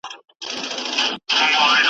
څومره بدبخته یم داچاته مي غزل ولیکل .